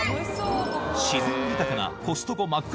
自然豊かなコストコ幕張